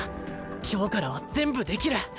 今日からは全部できる。